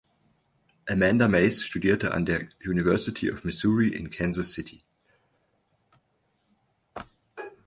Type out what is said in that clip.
Amanda Mace studierte an der University of Missouri in Kansas City.